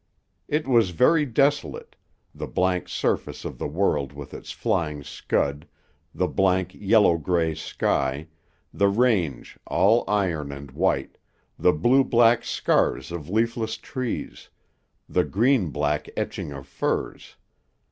It was very desolate the blank surface of the world with its flying scud, the blank yellow gray sky, the range, all iron and white, the blue black scars of leafless trees, the green black etchings of firs.